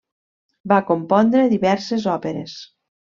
Va compondre diverses òperes.